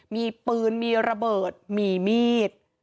มีปืนมีระเบิดมีมีด